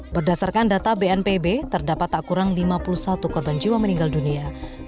berdasarkan data bnpb terdapat tak kurang lima puluh satu korban jiwa meninggal dunia